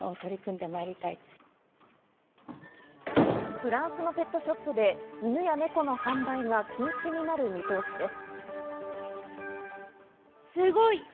フランスのペットショップで犬や猫の販売が禁止になる見通しです。